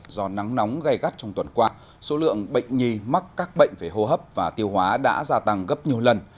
do nắng nóng gai gắt trong tuần qua số lượng bệnh nhi mắc các bệnh về hô hấp và tiêu hóa đã gia tăng gấp nhiều lần